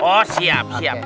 oh siap siap